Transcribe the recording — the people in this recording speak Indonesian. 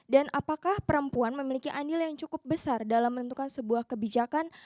dan apakah perempuan memiliki andil yang cukup besar dalam menentukan sebuah kebijakan